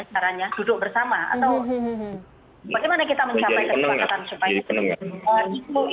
caranya duduk bersama atau bagaimana kita mencapai kesempatan supaya itu bisa jadi penuh